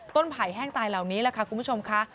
ไผ่แห้งตายเหล่านี้แหละค่ะคุณผู้ชมค่ะ